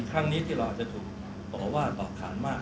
ครั้งนี้ที่เราอาจจะถูกต่อว่าต่อขานมาก